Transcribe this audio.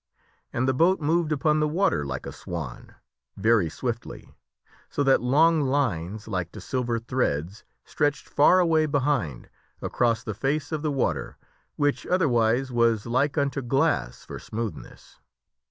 And the boat moved upon the water like a swan very swiftly so that long lines, like to silver threads, stretched far away behind, across the face of the water, which otherwise was like unto glass for smoothness.